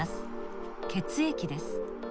血液です。